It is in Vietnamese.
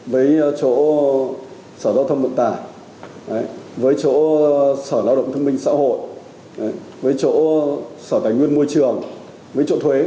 với chỗ sở lao động thông minh xã hội với chỗ sở tài nguyên môi trường với chỗ thuế